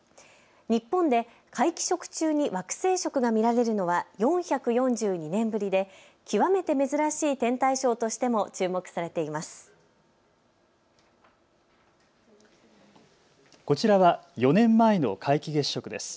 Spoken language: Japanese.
日本で皆既食中に惑星食が見られるのは４４２年ぶりで極めて珍しい天体ショーとしても注目されています。